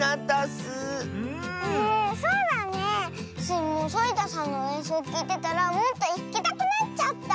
スイもそりたさんのえんそうきいてたらもっとひきたくなっちゃった。